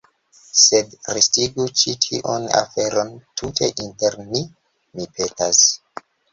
Sed restigu ĉi tiun aferon tute inter ni, mi petas.